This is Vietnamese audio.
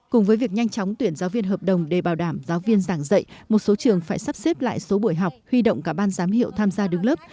cùng với việc nhanh chóng tuyển giáo viên hợp đồng để bảo đảm giáo viên giảng dạy một số trường phải sắp xếp lại số buổi học huy động cả ban giám hiệu tham gia đứng lớp